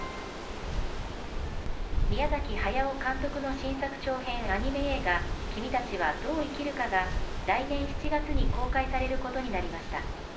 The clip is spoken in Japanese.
宮崎駿監督の新作長編アニメ映画、君たちはどう生きるかが、来年７月に公開されることになりました。